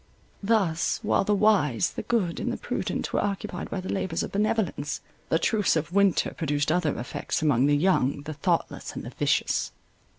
Thus, while the wise, the good, and the prudent were occupied by the labours of benevolence, the truce of winter produced other effects among the young, the thoughtless, and the vicious.